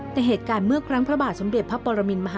แต่เหตุการณ์เมื่อครั้งพระบาทสมเด็จพระปรมินมหา